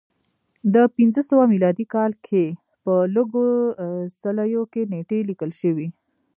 د پنځه سوه میلادي کال کې په لږو څلیو کې نېټې لیکل شوې